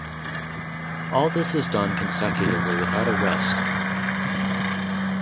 All this is done consecutively without a rest.